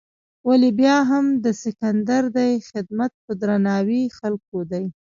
ولې بیا هم د سکندر دې خدمت په درناوي خلکو دی.